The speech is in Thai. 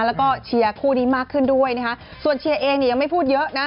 แล้วก็เชียร์คู่นี้มากขึ้นด้วยนะคะส่วนเชียร์เองเนี่ยยังไม่พูดเยอะนะ